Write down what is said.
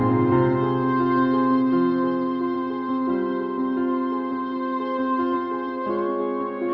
orang yang tadi siang dimakamin